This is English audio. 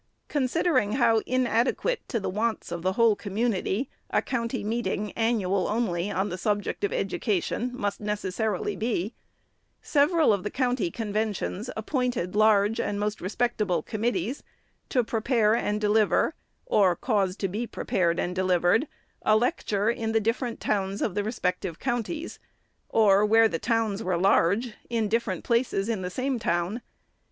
Considering how inadequate to the wants of the whole community a county meeting — annual only — on the subject of Education, must necessarily be, several of the county conventions appointed large and most respectable committees to prepare and deliver, or cause to be prepared and delivered, a lecture in the dif SECOND ANNUAL REPORT. 501 ferent towns of the respective counties ;— or, where towns were large, then in different places in the same town.